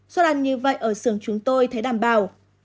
suất ăn như vậy ở xưởng chúng tôi thấy đảm bảo